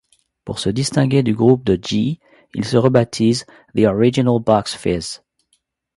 Pour se distinguer du groupe de G, ils se rebaptisent The Original Bucks Fizz.